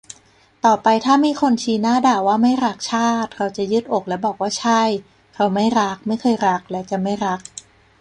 ต่อไปถ้ามีคนชี้หน้าด่าว่าไม่รักชาติเราจะยืดอกและบอกว่าใช่เราไม่รัก ไม่เคยรักและจะไม่รัก